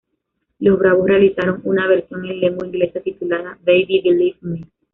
Los Bravos realizaron una versión en lengua inglesa titulada "Baby, believe me".